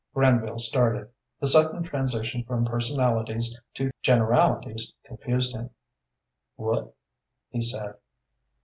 Granville started. The sudden transition from personalities to generalities confused him. "What?" he said.